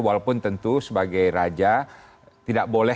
walaupun tentu sebagai raja tidak boleh